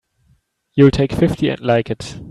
You'll take fifty and like it!